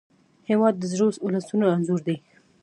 هېواد د زړورو ولسونو انځور دی.